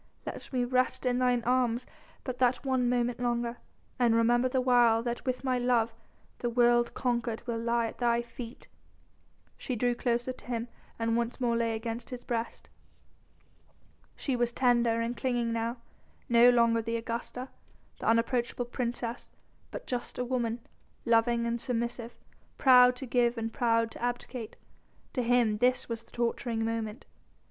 Let me rest in thine arms but that one moment longer, and remember the while that with my love, the world conquered will lie at thy feet." She drew closer to him and once more lay against his breast. She was tender and clinging now, no longer the Augusta, the unapproachable princess but just a woman, loving and submissive, proud to give and proud to abdicate. To him this was the torturing moment.